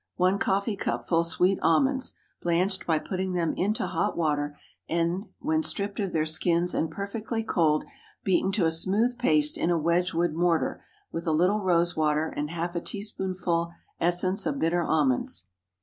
1 coffee cupful sweet almonds, blanched by putting them into hot water, and, when stripped of their skins and perfectly cold, beaten to a smooth paste in a Wedgewood mortar, with a little rose water and half a teaspoonful essence of bitter almonds.